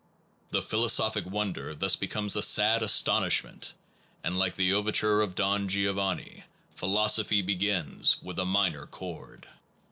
The philosophic wonder thus becomes a sad astonishment, and like the overture to Don Giovanni, philosophy begins with a minor chord.